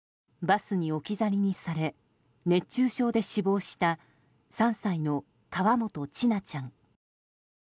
バスに置き去りにされ熱中症で死亡した３歳の河本千奈ちゃん。